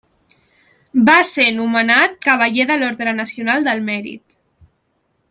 Va ser nomenat Cavaller de l'Orde Nacional del Mèrit.